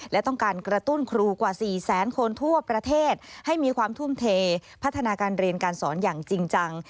และต้องการกระตุ้นครูกว่า๔แสนคนทั่วประเทศให้มีความทุ่มเทพัฒนาการเรียนการสอนอย่างจริงจัง